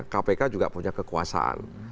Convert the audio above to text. kpk juga punya kekuasaan